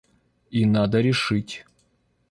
И надо решить...